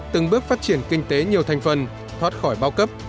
từng bước phát triển kinh tế nhiều thành phần thoát khỏi bao cấp